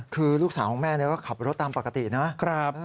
คือลูกสาวของแม่ก็ขับรถตามปกตินะครับ